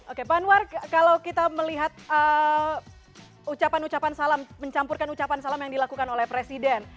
oke pak anwar kalau kita melihat ucapan ucapan salam mencampurkan ucapan salam yang dilakukan oleh presiden